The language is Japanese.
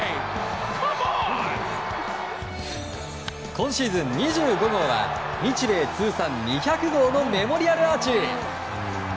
今シーズン２５号は日米通算２００号のメモリアルアーチ。